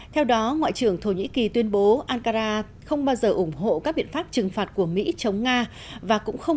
theo đó ngoại trưởng thổ nhĩ kỳ tuyên bố ankara không bao giờ ủng hộ các biện pháp trừng phạt của mỹ chống nga và cũng không